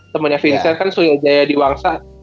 temennya vincent kan suing jaya di wangsa